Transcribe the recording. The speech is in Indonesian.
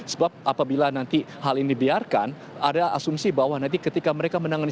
sebab apabila nanti hal ini biarkan ada asumsi bahwa nanti ketika mereka menangani